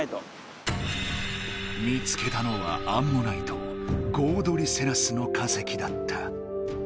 見つけたのはアンモナイトゴードリセラスの化石だった。